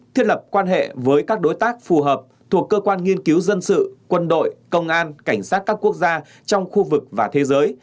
thiết lập quan hệ với các đối tác phù hợp thuộc cơ quan nghiên cứu dân sự quân đội công an cảnh sát các quốc gia trong khu vực và thế giới